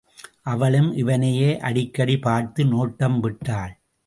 அவளும் இவனையே அடிக்கடி பார்த்து நோட்டம் விட்டாள்.